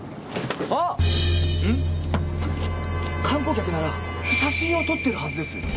観光客なら写真を撮ってるはずです。